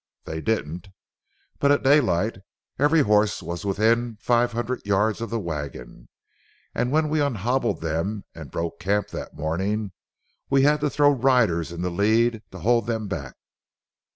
They didn't, but at daylight every horse was within five hundred yards of the wagon, and when we unhobbled them and broke camp that morning, we had to throw riders in the lead to hold them back."